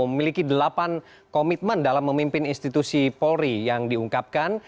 memiliki delapan komitmen dalam memimpin institusi polri yang diungkapkan